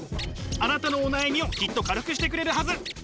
あなたのお悩みをきっと軽くしてくれるはず。